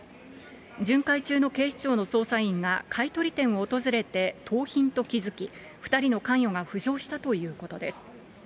巡回中の警視庁の捜査員が買い取り店を訪れて盗品と気付き、２人の関与が浮上したということです。